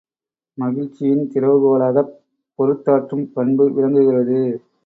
மகிழ்ச்சியின் திறவுகோலாகப் பொறுத்தாற்றும் பண்பு விளங்குகிறது.